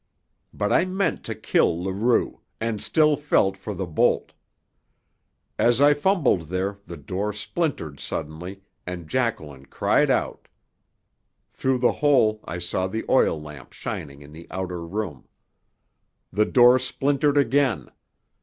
But I meant to kill Leroux, and still felt for the bolt. As I fumbled there the door splintered suddenly, and Jacqueline cried out. Through the hole I saw the oil lamp shining in the outer room. The door splintered again.